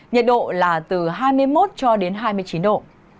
nhiệt độ là từ hai mươi một cho đến hai mươi chín độ